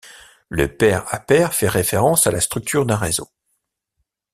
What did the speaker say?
Le pair-à-pair fait référence à la structure d’un réseau.